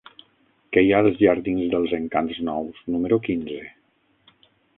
Què hi ha als jardins dels Encants Nous número quinze?